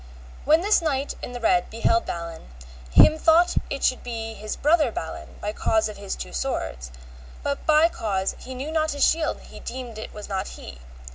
When this knight in the red beheld Balin, him thought it should be his brother Balin by cause of his two swords, but by cause he knew not his shield he deemed it was not he.